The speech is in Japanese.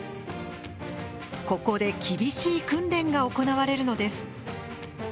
ここで厳しい訓練が行われるのです。